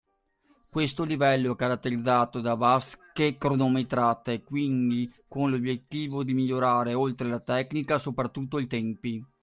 Questo livello è caratterizzato dalle vasche cronometrate quindi con l’obiettivo di migliorare, oltre alla tecnica, soprattutto i tempi.